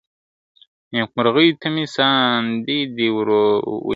نېكمرغيو ته مي ساندي دي وروړي !.